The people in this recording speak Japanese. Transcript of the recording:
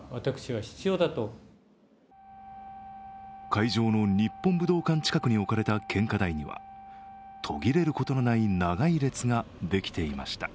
会場の日本武道館近くに置かれた献花台には途切れることのない長い列ができていました。